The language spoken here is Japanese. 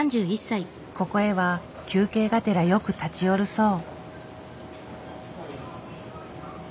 ここへは休憩がてらよく立ち寄るそう。